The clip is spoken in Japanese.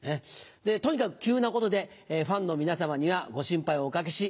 とにかく急なことでファンの皆様に心配をおかけし